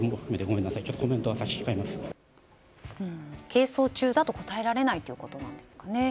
係争中だと答えられないということなんですかね。